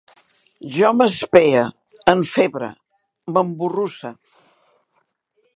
Jo m'espee, enfebre, m'emborrusse